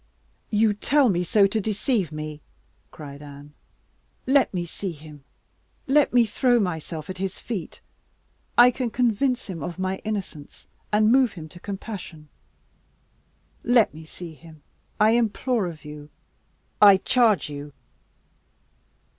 "You tell me so to deceive me," cried Anne. "Let me see him let me throw myself at his feet! I can convince him of my innocence and move him to compassion! Let me see him, I implore of you I charge you!"